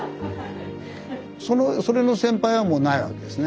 それの先輩はもうないわけですね。